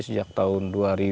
sejak tahun dua ribu dua